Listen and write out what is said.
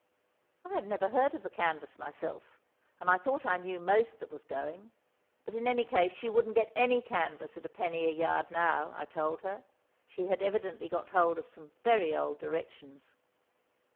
I had never heard of the canvas myself (and I thought I knew most that was going!), but in any case, she wouldn't get any canvas at 1_d._ a yard now, I told her; she had evidently got hold of some very old directions.